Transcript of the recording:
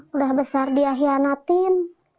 udah besar dia hianatin